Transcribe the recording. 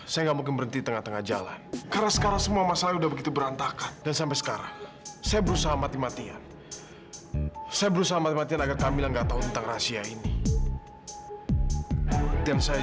sampai jumpa di video selanjutnya